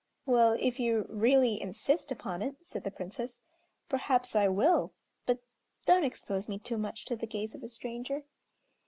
"Well, if you really insist upon it," said the Princess, "perhaps I will; but don't expose me too much to the gaze of a stranger."